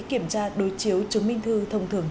kiểm tra đối chiếu chứng minh thư thông thường